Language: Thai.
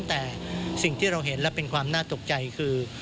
แต่สิ่งที่เราเห็นและเป็นความน่าตกใจคือ